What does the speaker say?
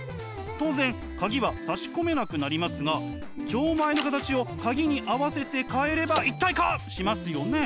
当然カギは差し込めなくなりますが錠前の形をカギに合わせて変えれば一体化しますよね。